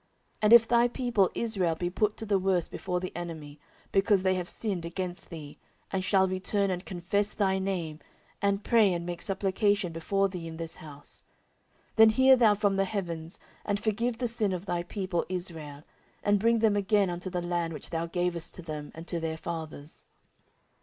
14:006:024 And if thy people Israel be put to the worse before the enemy, because they have sinned against thee; and shall return and confess thy name, and pray and make supplication before thee in this house; 14:006:025 Then hear thou from the heavens, and forgive the sin of thy people Israel, and bring them again unto the land which thou gavest to them and to their fathers.